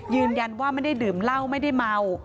ยืนยันว่าไม่ได้ดื่มเหล้าไม่ได้เมา